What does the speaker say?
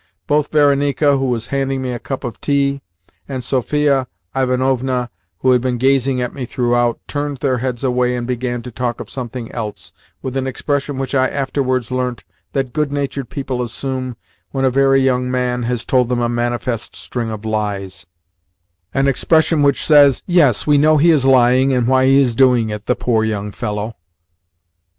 Both Varenika, who was handing me a cup of tea, and Sophia Ivanovna, who had been gazing at me throughout, turned their heads away, and began to talk of something else with an expression which I afterwards learnt that good natured people assume when a very young man has told them a manifest string of lies an expression which says, "Yes, we know he is lying, and why he is doing it, the poor young fellow!"